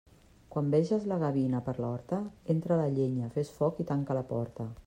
Quan veges la gavina per l'horta, entra la llenya, fes foc i tanca la porta.